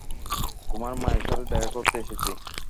তোমার মায়ের সাথে দেখা করতে এসেছি।